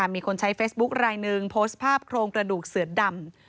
มีคนใช้เฟซบุ๊คลายหนึ่งโพสต์ภาพโครงกระดูกเสือดำ